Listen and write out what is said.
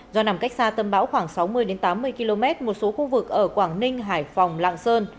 do nằm cách xa tâm bão khoảng sáu mươi tám mươi km một số khu vực ở quảng ninh hải phòng lạng sơn